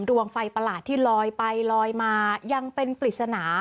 ดวงไฟประหลาดที่ลอยไปลอยมายังเป็นปริศนา